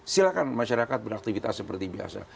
silakan masyarakat beraktifitas seperti biasa